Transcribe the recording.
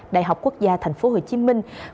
đại học quốc gia tp hcm